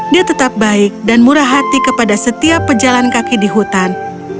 dia tetap baik dan murah hati kepada setiap pejalan kaki di hutan